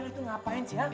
lu itu ngapain sih ya